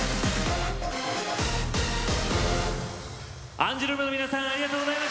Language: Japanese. アンジュルムの皆さんありがとうございました。